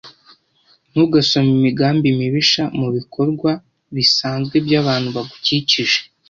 Ntugasome imigambi mibisha mubikorwa bisanzwe byabantu bagukikije.